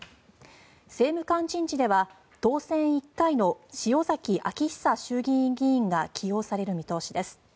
政務官人事では当選１回の塩崎彰久衆議院議員が起用される見通しです。